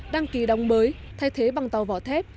đăng ký đóng mới thay thế bằng tàu vỏ thép